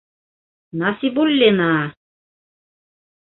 Насибуллина...